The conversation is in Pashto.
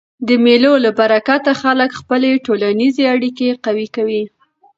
د مېلو له برکته خلک خپلي ټولنیزي اړیکي قوي کوي.